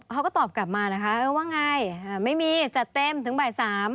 เขาก็ตอบกลับมานะคะเออว่าไงไม่มีจัดเต็มถึงบ่าย๓